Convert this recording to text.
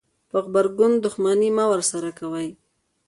په غبرګون کې دښمني مه ورسره کوئ.